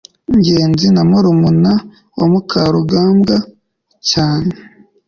ngenzi ni murumuna wa mukarugambwa cyane